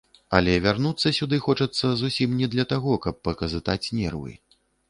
Але вярнуцца сюды хочацца зусім не для таго, каб паказытаць нервы.